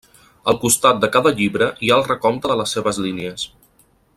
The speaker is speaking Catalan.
Al costat de cada llibre hi ha el recompte de les seves línies.